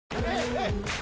はい！